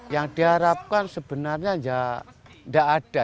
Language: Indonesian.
yang diharapkan sebenarnya tidak ada